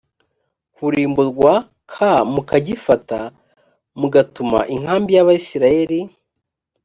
kurimburwa k mukagifata mugatuma inkambi y abisirayeli